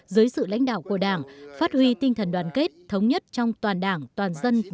dưới sự lãnh đạo của đảng phát huy tinh thần đoàn kết thống nhất trong toàn đảng toàn dân